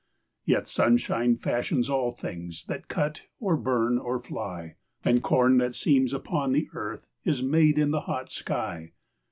Yet sunshine fashions all things That cut or burn or fly; And corn that seems upon the earth Is made in the hot sky.